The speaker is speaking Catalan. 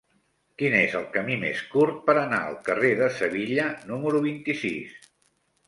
Quin és el camí més curt per anar al carrer de Sevilla número vint-i-sis?